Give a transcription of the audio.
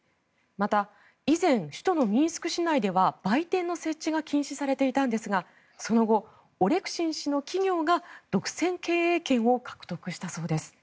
また、以前首都のミンスク市内では売店の設置が禁止されていたんですがその後、オレクシン氏の企業が独占経営権を獲得したそうです。